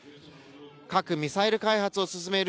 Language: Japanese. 核ミサイル開発を進める